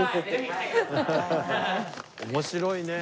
面白いね。